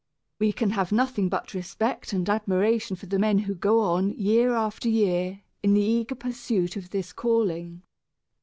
We can have nothing but respect and admiration for the men who go on year after year in the eager pursuit of this calling.